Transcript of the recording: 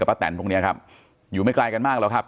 กับพระแตนพวกนี้ครับอยู่ไม่ไกลกันมากแล้วครับ